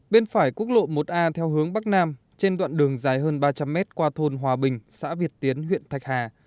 bên phải quốc lộ một a theo hướng bắc nam trên đoạn đường dài hơn ba trăm linh mét qua thôn hòa bình xã việt tiến huyện thạch hà